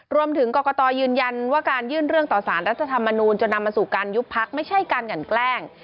รวมถึงกรกตยืนยันว่าการยื่นเรื่องต่อสารรัฐธรรมนูญจนนำมาสู่การยุบพักไม่ใช่การกันแกล้ง